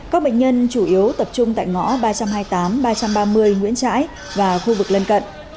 các bệnh nhân chủ yếu tập trung tại ngõ ba trăm hai mươi tám ba trăm ba mươi nguyễn trãi và khu vực lân cận